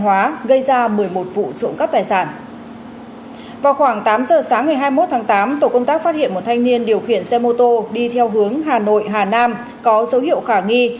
vào khoảng tám giờ sáng ngày hai mươi một tháng tám tổ công tác phát hiện một thanh niên điều khiển xe mô tô đi theo hướng hà nội hà nam có dấu hiệu khả nghi